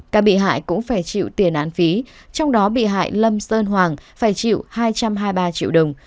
các bị hại cũng phải chịu tiền án phí trong đó bị hại lâm sơn hoàng phải chịu hai trăm hai mươi ba triệu đồng